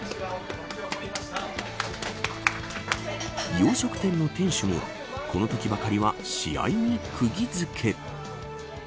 洋食店の店主もこのときばかりは試合にくぎ付け。